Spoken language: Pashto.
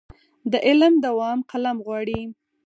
د علم دوام قلم غواړي.